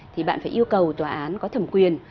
thì bạn phải yêu cầu tòa án có thẩm quyền